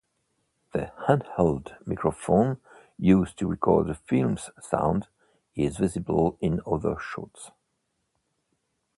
The handheld microphone used to record the film's sound is visible in other shots.